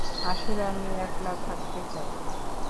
আসলে, আমি একলা থাকতে চাই।